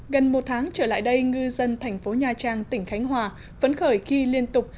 gần một tháng trở lại đây ngư dân thành phố nha trang tỉnh khánh hòa phấn khởi khi liên tục